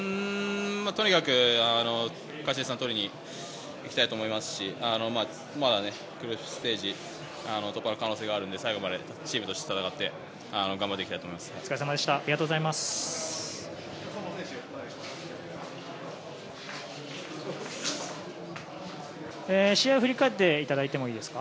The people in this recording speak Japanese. とにかく勝ち点３を取りに行きたいと思いますしグループステージ突破の可能性があるので最後までチームとして戦って頑張っていきたいと思います。